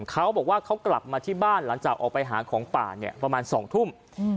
เขาบอกว่าเขากลับมาที่บ้านหลังจากออกไปหาของป่าเนี่ยประมาณ๒ทุ่ม